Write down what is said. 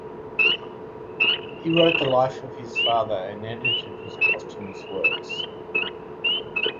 He wrote the life of his father, and edited his posthumous works.